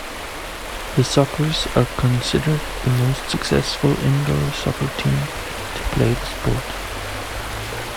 The Sockers are considered the most successful indoor soccer team to play the sport.